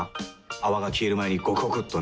泡が消える前にゴクゴクっとね。